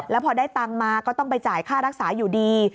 แล้วพอได้ตังค์มาก็ต้องไปจ่ายค่ารักษาอยู่ดี